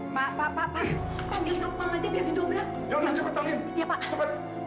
pak pak pak panggil siapa aja biar didobrak